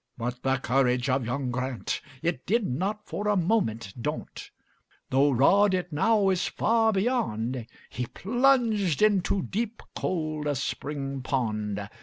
But the courage of young Grant, It did not for a moment daunt, Though rod it now is far beyond, He plunged into deep, cold spring pond.